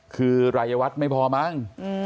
คือรายวัฒน์ไม่พอมั้ง